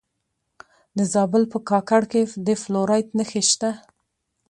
د زابل په کاکړ کې د فلورایټ نښې شته.